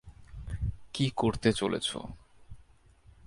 কী করতে চলেছো?